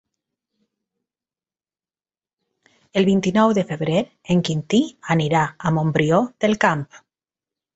El vint-i-nou de febrer en Quintí anirà a Montbrió del Camp.